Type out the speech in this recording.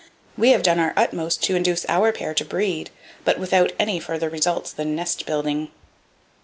We have done our utmost to induce our pair to breed, but without any further results than nest building.